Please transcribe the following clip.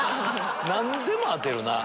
何でも当てるなぁ。